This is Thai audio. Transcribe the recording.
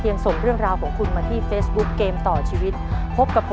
เอียบมีดีชัย